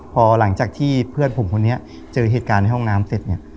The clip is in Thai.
พอหลังจากที่เพื่อนผมคนนี้เจอเหตุการณ์ในห้องน้ำเสร็จเนี่ย